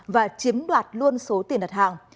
và chiếm đoạt luôn số tiền đặt hàng